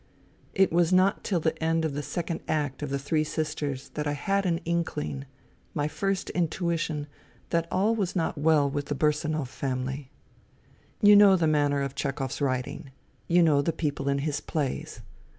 It was not till the end of the second act of the Three Sisters that I had an inkling, my first intuition, that all was not well with the Bursanov family. You know the manner of Chehov's writing. You know the people in his plays.